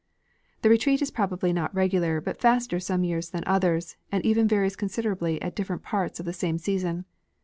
The retreat is probably not regular but faster some years than others, and even varies considerably at different j^arts of the same season.